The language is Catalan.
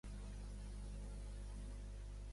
Manel Vila i Valls és un polític nascut a Castellterçol.